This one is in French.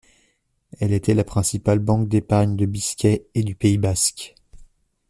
Elle était la principale banque d'épargne de Biscaye et du Pays basque.